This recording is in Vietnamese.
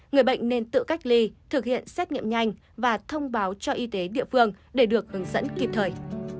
người bệnh nên tự cách ly thực hiện xét nghiệm nhanh và thông báo cho y tế địa phương để được hướng dẫn kịp thời